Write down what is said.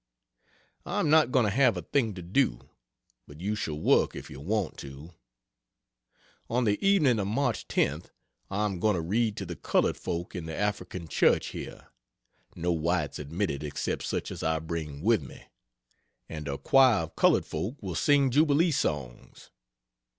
I am not going to have a thing to do, but you shall work if you want to. On the evening of March 10th, I am going to read to the colored folk in the African Church here (no whites admitted except such as I bring with me), and a choir of colored folk will sing jubilee songs.